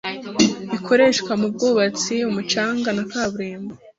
bikoreshwa mubwubatsi umucanga na kaburimbo